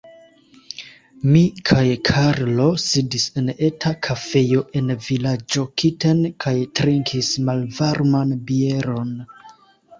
Mi kaj Karlo sidis en eta kafejo en vilaĝo Kiten kaj trinkis malvarman bieron.